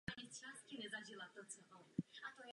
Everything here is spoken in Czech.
Moravská Ostrava.